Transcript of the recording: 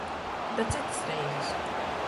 Da cytys reizis.